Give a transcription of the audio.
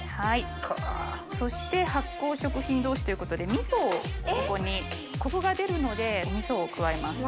そして発酵食品同士ということで味噌をここにコクが出るのでお味噌を加えます。